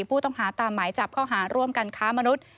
ผู้ต้องหาตามหมายจับข้อหาร่วมกันค้ามนุษย์